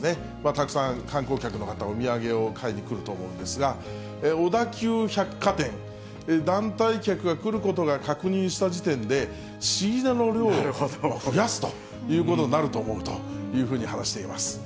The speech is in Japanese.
たくさん観光客の方、お土産を買いに来ると思うんですが、小田急百貨店、団体客が来ることが確認した時点で、仕入れの量を増やすということになると思うというふうに話しています。